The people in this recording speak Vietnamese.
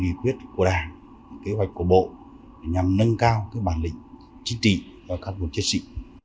nghị quyết của đảng kế hoạch của bộ nhằm nâng cao bản lĩnh chính trị cho cán bộ chiến sĩ